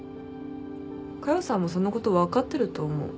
佳代さんもそのこと分かってると思う。